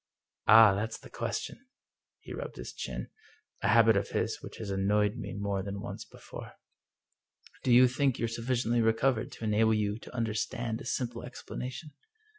Ah, that's the question." He rubbed his chin — a habit of his which has annoyed me more than once before. " Do you think you're sufficiently recovered to enable you to understand a little simple explanation